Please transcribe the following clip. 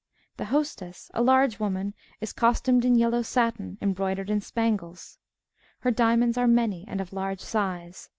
_ The Hostess, _a large woman, is costumed in yellow satin, embroidered in spangles. Her diamonds are many and of large size.